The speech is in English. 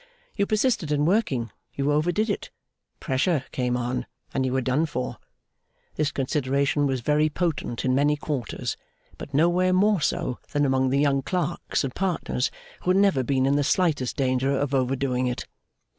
You persisted in working, you overdid it. Pressure came on, and you were done for! This consideration was very potent in many quarters, but nowhere more so than among the young clerks and partners who had never been in the slightest danger of overdoing it.